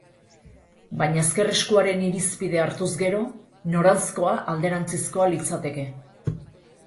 Baina ezker-eskuaren irizpidea hartuz gero, noranzkoa alderantzizkoa litzateke.